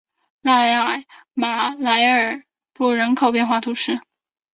拉艾马莱尔布人口变化图示